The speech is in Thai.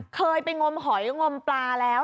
เคยไปงมหอยงมปลาแล้ว